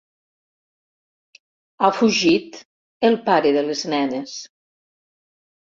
Ha fugit, el pare de les nenes.